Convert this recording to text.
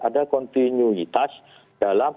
ada kontinuitas dalam